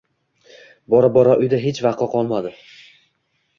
Bora-bora uyda hech vaqo qolmadi